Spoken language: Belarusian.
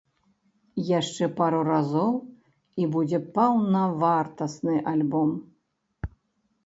Яшчэ пару разоў і будзе паўнавартасны альбом!